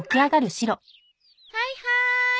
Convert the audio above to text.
はいはーい！